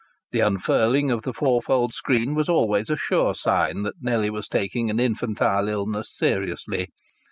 The unfurling of the four fold screen was always a sure sign that Nellie was taking an infantile illness seriously.